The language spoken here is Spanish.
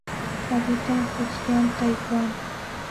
Habita en Fujian Taiwán.